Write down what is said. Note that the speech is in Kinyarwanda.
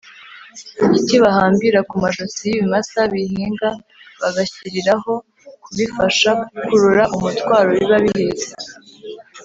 igiti bahambira ku majosi y’ibimasa bihinga bagishyiriraho kubifasha gukurura umutwaro biba bihetse